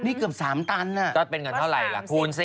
นี่เกือบ๓ตันต้องเป็นเงินเท่าไรล่ะคูณซิ